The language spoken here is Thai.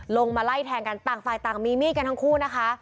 ลงมาไล่แทงกันต่างฝ่ายต่างมีมีดกันทั้งคู่นะคะ